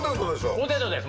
ポテトです